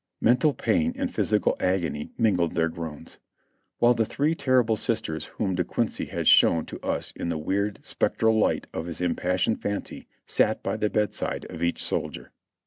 Mental pain and physical agony mingled their groans ; while the three terrible sisters whom De Ouincy has shown to us in the weird, spectral light of his impassioned fancy sat by the bedside of each soldier.